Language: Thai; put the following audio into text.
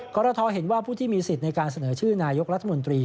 กรทเห็นว่าผู้ที่มีสิทธิ์ในการเสนอชื่อนายกรัฐมนตรี